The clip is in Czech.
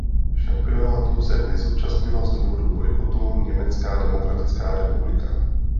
Šampionátu se nezúčastnila z důvodu bojkotu Německá demokratická republika.